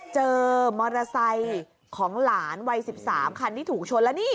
เจอมอเตอร์ไซค์ของหลานวัย๑๓คันที่ถูกชนแล้วนี่